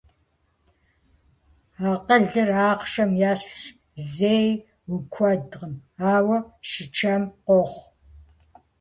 Акъылыр ахъшэм ещхьщ, зэи уи куэдкъым, ауэ щычэм къохъу.